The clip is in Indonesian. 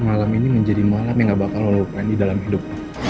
malam ini menjadi malam yang gak bakal lo lupain di dalam hidup